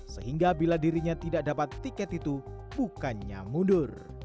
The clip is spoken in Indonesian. sehingga bila dirinya tidak dapat tiket itu bukannya mundur